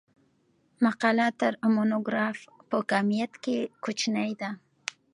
مقاله تر مونوګراف په کمیت کښي کوچنۍ ده.